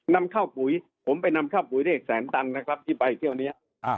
นำข้าวปุ๋ยผมไปนำข้าวปุ๋ยเลขแสนตันนะครับที่ไปเที่ยวนี้